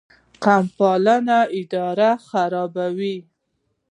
قوم پالنه اداره خرابوي